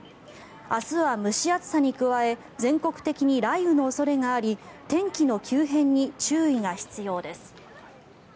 明日は蒸し暑さに加え全国的に雷雨の恐れがあり天気の急変に注意が必要です。